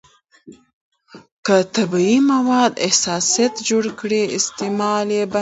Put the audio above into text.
که طبیعي مواد حساسیت جوړ کړي، استعمال یې بند کړئ.